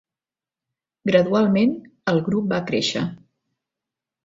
Gradualment, el grup va créixer.